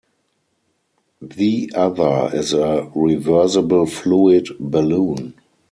The other is a "reversible fluid" balloon.